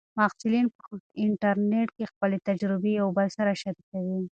محصلین په انټرنیټ کې خپلې تجربې یو بل سره شریکوي.